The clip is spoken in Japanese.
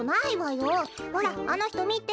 ほらあのひとみて。